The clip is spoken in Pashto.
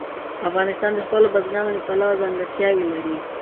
افغانستان د خپلو بزګانو له پلوه ځانګړتیاوې لري.